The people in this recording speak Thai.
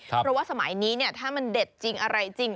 เพราะว่าสมัยนี้ถ้ามันเด็ดจริงอะไรจริง